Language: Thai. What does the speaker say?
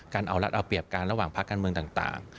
การเอารัฐเอาเปรียบกันระหว่างพักการเมืองต่าง